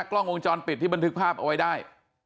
กล้องวงจรปิดที่บันทึกภาพเอาไว้ได้